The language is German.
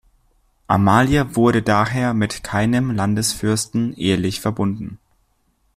Amalia wurde daher mit keinem Landesfürsten ehelich verbunden.